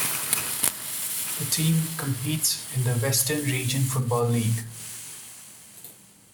The team competes in the Western Region Football League.